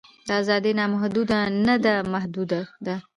دا ازادي نامحدوده نه ده محدوده ده.